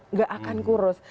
nggak akan kurus